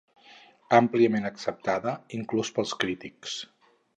Àmpliament acceptada inclús pels crítics.